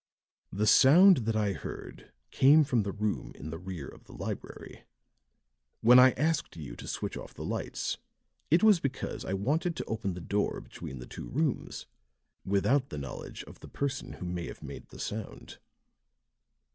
"The sound that I heard came from the room in the rear of the library; when I asked you to switch off the lights it was because I wanted to open the door between the two rooms without the knowledge of the person who may have made the sound."